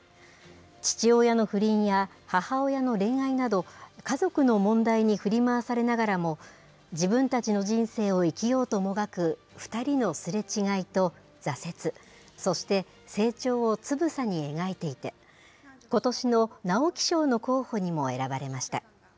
父親の不倫や、母親の恋愛など、家族の問題に振り回されながらも、自分たちの人生を生きようともがく２人のすれ違いと挫折、そして、成長をつぶさに描いていて、ことしの直木賞の候補にも選ばれました。